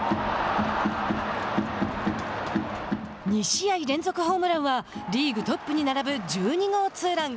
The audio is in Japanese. ２試合連続ホームランはリーグトップに並ぶ１２号ツーラン。